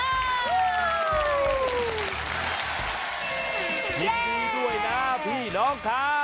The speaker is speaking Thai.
ยินดีด้วยนะพี่น้องค่ะ